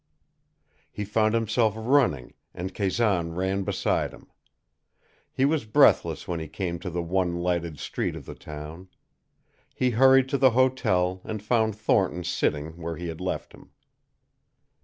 He found himself running, and Kazan ran beside him. He was breathless when he came to the one lighted street of the town. He hurried to the hotel and found Thornton sitting where he had left him.